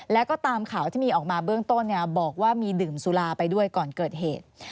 แล้วก็ตามข่าวที่มีออกมาเบื้องต้นบอกว่ามีดื่มสุราไปด้วยก่อนเกิดเหตุ